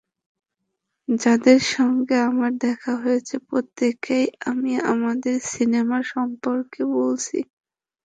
যাদের সঙ্গে আমার দেখা হয়েছে প্রত্যেককেই আমি আমাদের সিনেমা সম্পর্কে বলেছি।